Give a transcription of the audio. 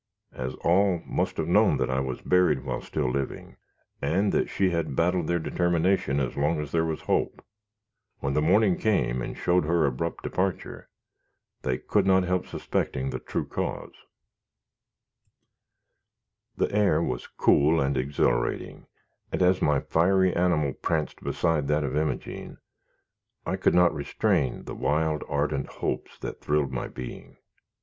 As all must have known that I was buried while still living, and that she had battled their determination as long as there was hope, when the morning came and showed her abrupt departure, they could not help suspecting the true cause. [Illustration: "Without losing a moment, we mounted and struck to the northward."] The air was cool and exhilarating, and, as my fiery animal pranced beside that of Imogene, I could not restrain the wild, ardent hopes that thrilled my being.